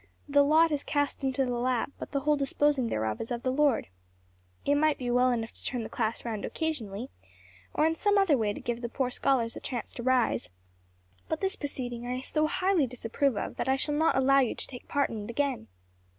'The lot is cast into the lap; but the whole disposing thereof is of the Lord!' It might be well enough to turn the class round occasionally, or in some other way to give the poor scholars a chance to rise; but this proceeding I so highly disapprove of that I shall not allow you to take part in it again."